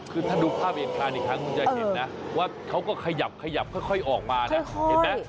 คือถ้าดูภาพเหตุการณ์อีกครั้งคุณจะเห็นนะว่าเขาก็ขยับขยับค่อยออกมานะเห็นไหม